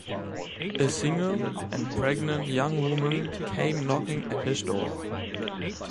A single and pregnant young woman came knocking at his door.